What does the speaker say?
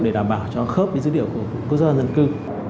để đảm bảo cho khớp với dữ liệu của quốc gia dân cư